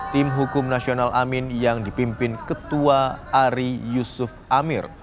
tim hukum nasional amin yang dipimpin ketua ari yusuf amir